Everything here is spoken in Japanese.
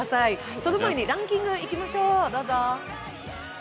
その前にランキングいきましょう、どうぞ。